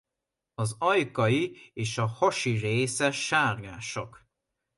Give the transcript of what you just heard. Az ajkai és a hasi része sárgásak.